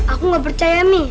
aku gak percaya mi